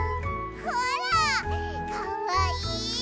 ほらかわいい！